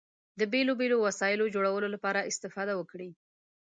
د بېلو بېلو وسایلو جوړولو لپاره استفاده وکړئ.